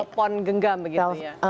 telepon genggam begitu ya